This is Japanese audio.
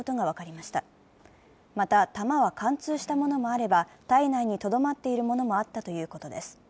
また弾は貫通したものもあれば体内にとどまっているものもあったということです。